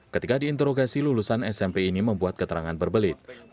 ketika diinterogasi lulusan smp ini membuat keterangan berbelit